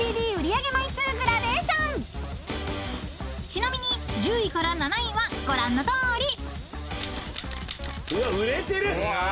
［ちなみに１０位から７位はご覧のとおり］